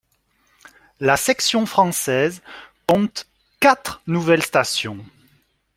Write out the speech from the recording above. La section française compte quatre nouvelles stations.